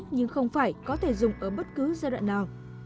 nhưng không phải có thể dùng ở bất cứ giai đoạn nào